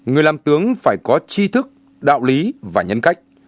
người làm tướng phải có chi thức đạo lý và nhân cách